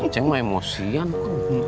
cek emosian kum